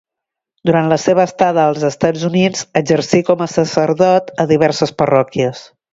Durant la seva estada als Estats Units exercí com a sacerdot a diverses parròquies.